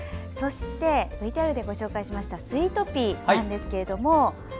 そして、ＶＴＲでご紹介しましたスイートピーですけども。